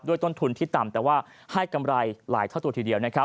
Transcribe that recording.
ด้วยต้นทุนที่ต่ำแต่ว่าให้กำไรหลายเท่าตัวทีเดียว